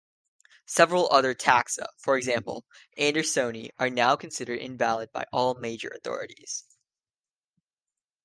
Several other taxa, for example "andersoni", are now considered invalid by all major authorities.